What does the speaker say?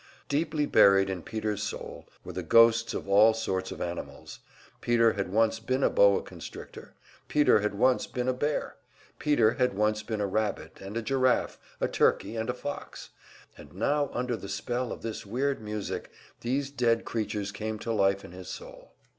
Deeply buried in Peter's soul were the ghosts of all sorts of animals; Peter had once been a boa constrictor, Peter had once been a bear, Peter had once been a rabbit and a giraffe, a turkey and a fox; and now under the spell of this weird music these dead creatures came to life in his soul.